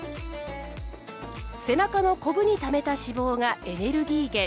背中のコブにためた脂肪がエネルギー源。